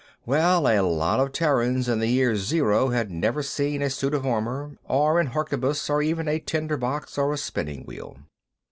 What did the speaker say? Well, a lot of Terrans in the Year Zero had never seen a suit of armor, or an harquebus, or even a tinder box or a spinning wheel.